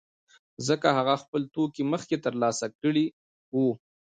ځکه هغه خپل توکي مخکې ترلاسه کړي وو